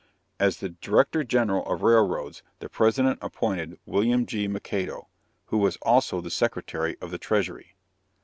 As Director General of Railroads, the President appointed William G. McAdoo, who was also the Secretary of the Treasury.